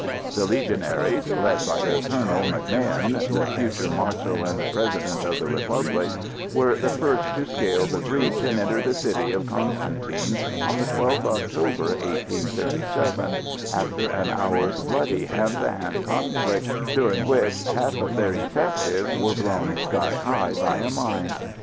The Legionaries, led by their colonel, MacMahon, the future Marshal and President of the Republic, were the first to scale the breach and enter the city of Constantine on the 12th October, 1837, after an hour's bloody hand to hand conflict, during which half of their effective were blown sky high by a mine.